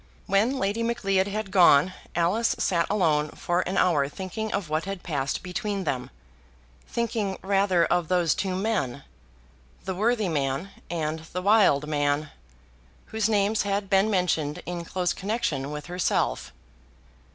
When Lady Macleod had gone Alice sat alone for an hour thinking of what had passed between them, thinking rather of those two men, the worthy man and the wild man, whose names had been mentioned in close connection with herself.